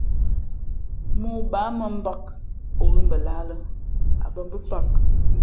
Mōō baā mᾱ mbāk, o ghʉ̂ mbα lahā lᾱ, a bᾱ mbʉ̄pāk.